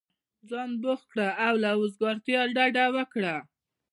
ځان بوخت كړه او له وزګارتیا ډډه وكره!